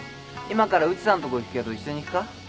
今から内さんとこ行くけど一緒に行くか？